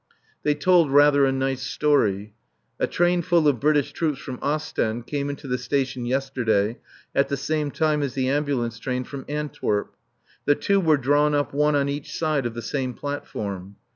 They told rather a nice story. A train full of British troops from Ostend came into the station yesterday at the same time as the ambulance train from Antwerp. The two were drawn up one on each side of the same platform.